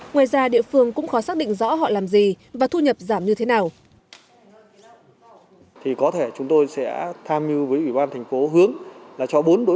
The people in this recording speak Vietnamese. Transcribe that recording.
ngoài ra địa phương cũng khó xác định rõ họ làm gì và thu nhập giảm như thế nào